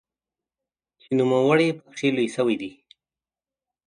چې نوموړی پکې لوی شوی دی.